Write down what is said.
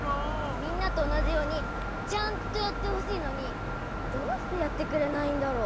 みんなとおなじようにちゃんとやってほしいのにどうしてやってくれないんだろう？